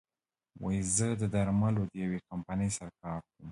زه د درملو د يوې کمپنۍ سره کار کوم